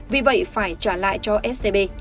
vì vậy phải trả lại cho scb